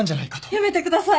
やめてください！